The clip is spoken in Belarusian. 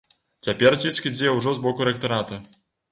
Цяпер ціск ідзе ўжо з боку рэктарата.